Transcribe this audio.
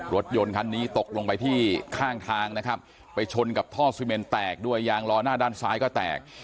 รถยนต์คันนี้ตกลงไปที่ข้างทางนะครับไปชนกับท่อซีเมนแตกด้วยยางล้อหน้าด้านซ้ายก็แตก